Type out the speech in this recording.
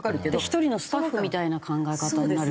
１人のスタッフみたいな考え方になるっていう事ですか。